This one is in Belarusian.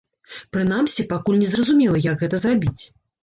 Прынамсі, пакуль не зразумела, як гэта зрабіць.